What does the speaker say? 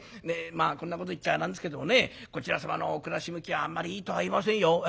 こんなこと言っちゃなんですけどもねこちら様のお暮らし向きはあんまりいいとは言えませんよ。